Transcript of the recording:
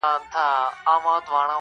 نه سلمان وم نه په برخه مي خواري وه -